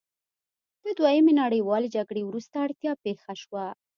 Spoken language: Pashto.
د دویمې نړیوالې جګړې وروسته اړتیا پیښه شوه.